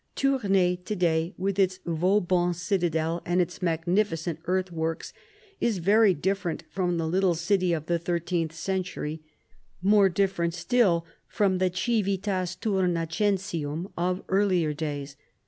Tournai to day, with its Vauban citadel and its magnificent earthworks,, is very different from the little city of the thirteenth century, — more different still from the Civitas Tornacensium of earlier days.